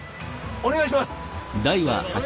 お願いします。